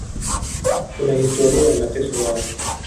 Kuna historia ya mateso yao.